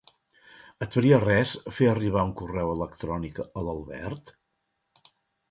Et faria res fer arribar un correu electrònic a l'Albert?